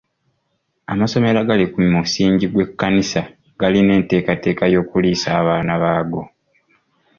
Amasomero agali ku musingi gw'ekkanisa galina enteekateka y'okuliisa abaana baago.